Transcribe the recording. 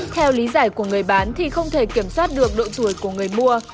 theo lý giải của người bán thì không thể kiểm soát được độ tuổi của người mua